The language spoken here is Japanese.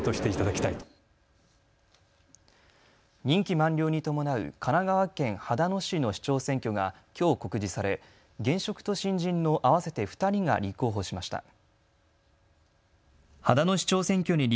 任期満了に伴う神奈川県秦野市の市長選挙がきょう告示され現職と新人の合わせて２人が立候補しました。